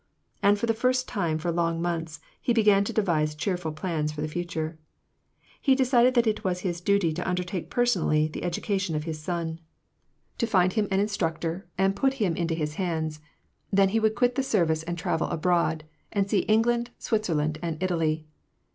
And for the first time for long months, he began to devise cheerful plans for the future. He decided that it was his duty to undertake personally the education of his son, to find him y]^Ak ANb PEACE. 217 an instructor, and put him into his hands ; then he would quit the service and travel abroad, and see England, Switzerland, and Italy.